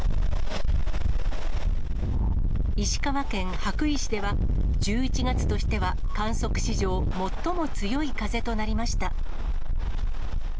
石川県羽咋市では、１１月としては観測史上最も強い風となりました。